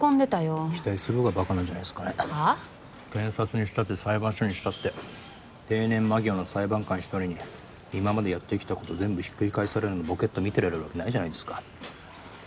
検察にしたって裁判所にしたって定年間際の裁判官１人に今までやってきたこと全部ひっくり返されるのぼけっと見てられるわけないじゃないですか。